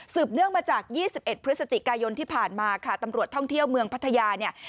เนื่องมาจาก๒๑พฤศจิกายนที่ผ่านมาค่ะตำรวจท่องเที่ยวเมืองพัทยาเนี่ย